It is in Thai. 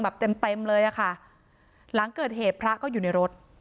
เต็มเต็มเลยอะค่ะหลังเกิดเหตุพระก็อยู่ในรถ